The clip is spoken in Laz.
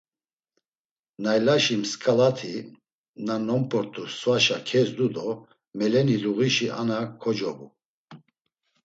Naylaşi msǩalati, na nomp̌ort̆u svaşa kezdu do meleni luğişi ana kocobu.